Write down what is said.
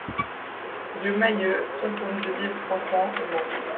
Rue Mayeux, soixante-deux mille trois cents Lens